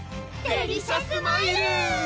デリシャスマイル！